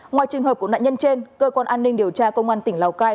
ngoài trường hợp của nạn nhân trên cơ quan an ninh điều tra công an tỉnh lào cai